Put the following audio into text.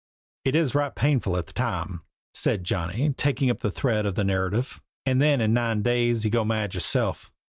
"It is right painful at the time," said Johnny, taking up the thread of the narrative; "and then in nine days you go mad yourself.